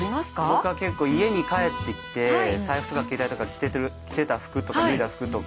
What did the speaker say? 僕は結構家に帰ってきて財布とか携帯とか着てた服とか脱いだ服とかを。